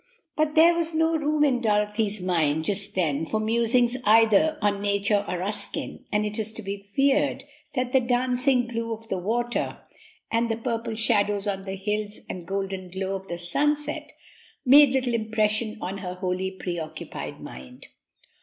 But there was no room in Dorothy's mind just then for musings either on nature or Ruskin, and it is to be feared that the dancing blue of the water and the purple shadows on the hills and golden glow of the sunset made little impression on her wholly preoccupied mind.